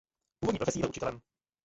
Původní profesí byl učitelem.